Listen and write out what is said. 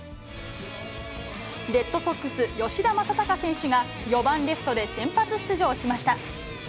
レッドソックス、吉田正尚選手が、４番レフトで先発出場しました。